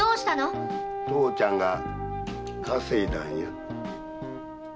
父ちゃんが稼いだんや。